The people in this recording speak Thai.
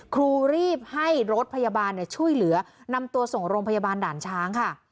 ครูรีบให้รถพยาบาลช่วยเหลือนำตัวส่งโรงพยาบาลด่านช้างค่ะ